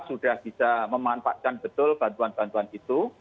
sudah bisa memanfaatkan betul bantuan bantuan itu